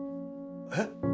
えっ？